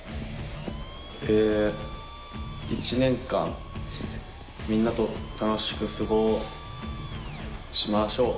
え１年間みんなと楽しく過ごしましょう。